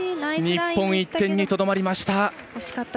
日本、１点にとどまりました。